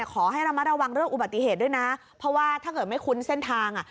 ขอให้ระมัดระวังเรื่องอุบัติเหตุด้วยนะเพราะว่าถ้าเกิดไม่คุ้นเส้นทางอ่ะ